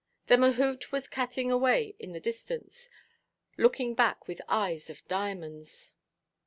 The mahout was cutting away in the distance, looking back with eyes of diamonds.